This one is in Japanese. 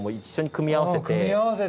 組み合わせて。